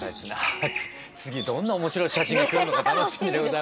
次どんな面白い写真が来るのか楽しみでございますが。